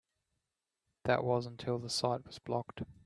That was until the site was blocked.